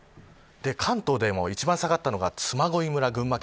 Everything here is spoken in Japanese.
関東でも一番下がったのが嬬恋村、群馬県。